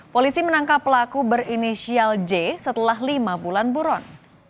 polisi menangkap pelaku berinisial j setelah lima bulan buron